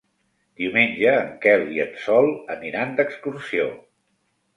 Diumenge en Quel i en Sol aniran d'excursió.